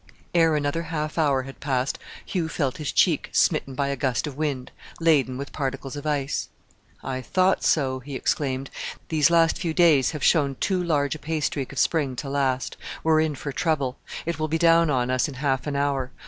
Ere another half hour had passed Hugh felt his cheek smitten by a gust of wind, laden with particles of ice. "I thought so!" he exclaimed; "these last few days have shown too large a pay streak of spring to last. We're in for trouble. It will be down on us in half an hour.